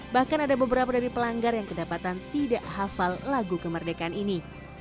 bahkan ada beberapa dari pelanggar yang kedapatan tidak hafal lagu kemerdekaan ini